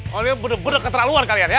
kalian bener bener ketrakan luar kalian ya